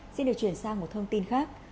xin được chuyển sang một thông tin khác